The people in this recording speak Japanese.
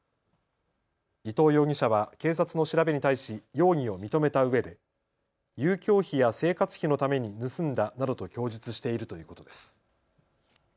伊藤容疑者は警察の調べに対し容疑を認めたうえで遊興費や生活費のために盗んだなどと供述しているということです。